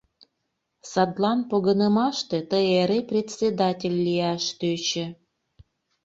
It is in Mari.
Садлан погынымаште тый эре председатель лияш тӧчӧ...